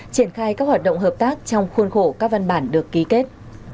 triển khai các hoạt động hợp tác trong khuôn khổ các văn bản được ký kết